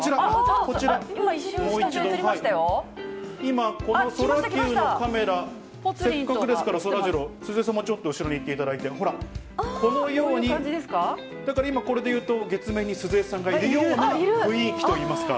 こちら、今、このソラキューのカメラ、せっかくですから、そらジロー、鈴江さんもちょっと後ろに行っていただいて、このように、だから今、これでいうと月面に鈴江さんがいるような雰囲気といいますか。